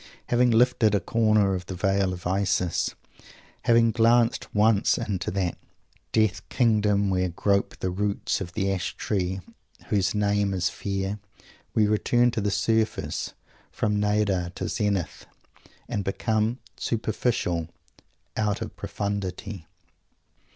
Having lifted a corner of the Veil of Isis, having glanced once into that Death Kingdom where grope the roots of the Ash Tree whose name is Fear, we return to the surface, from Nadir to Zenith, and become "superficial" "out of profundity."